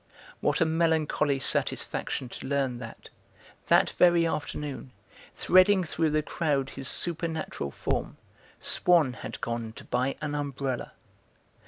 What a melancholy satisfaction to learn that, that very afternoon, threading through the crowd his supernatural form, Swann had gone to buy an umbrella.